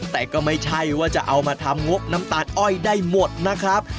แต่ก็ไม่ใช่ว่าจะเอามาทำงบน้ำตาลอ้อยได้หมดนะครับ